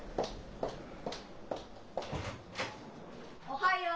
おはよう！